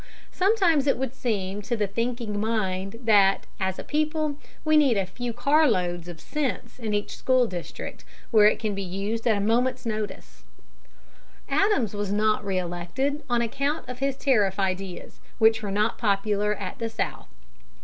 Sometimes it would seem to the thinking mind that, as a people, we need a few car loads of sense in each school district, where it can be used at a moment's notice. [Illustration: BALD HEADED MEN NOT APPRECIATED.] Adams was not re elected, on account of his tariff ideas, which were not popular at the South.